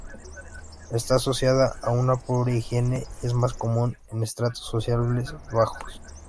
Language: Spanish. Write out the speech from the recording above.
Está asociada a una pobre higiene y es más común en estratos sociales bajos.